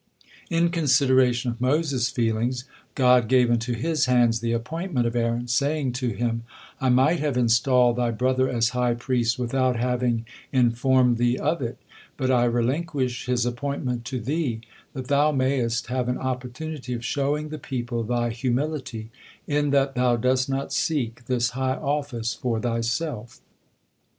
In consideration of Moses' feelings, God gave into his hands the appointment of Aaron, saying to him: "I might have installed thy brother as high priest without having informed thee of it, but I relinquish his appointment to thee, that thou mayest have an opportunity of showing the people thy humility, in that thou dost not seek this high office for thyself."